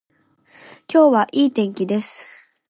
今日は良い天気です